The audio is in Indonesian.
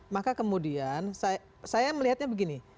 maka kemudian saya melihatnya begini